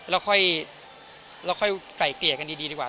เราค่อยไก่เกลี่ยกันดีดีกว่า